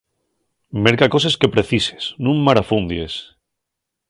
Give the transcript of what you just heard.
Merca coses que precises, nun marafundies.